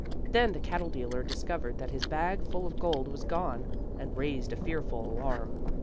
Then the cattle dealer discovered that his bag full of gold was gone, and raised a fearful alarm.